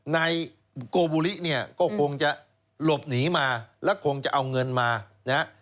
นายโกบุริเนี่ยก็คงจะหลบหนีมาแล้วคงจะเอาเงินมานะฮะ